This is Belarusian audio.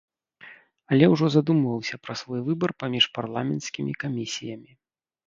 Але ўжо задумваўся пра свой выбар паміж парламенцкімі камісіямі.